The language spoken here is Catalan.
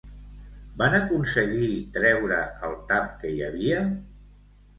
Van aconseguir treure el tap que hi havia?